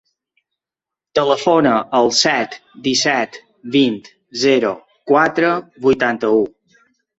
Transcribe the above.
Telefona al set, disset, vint, zero, quatre, vuitanta-u.